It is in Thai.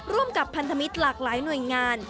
ร่วมกับพันธมิตรหลากหลายหน่วยงาน